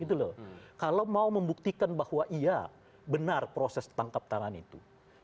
kalau mau membuktikan bahwa iya benar proses tangkap tangan itu